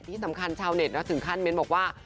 ที่สำคัญชาวเน็ตถึงค่านเม้นบอกว่า